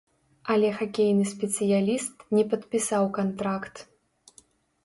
Але хакейны спецыяліст не падпісаў кантракт.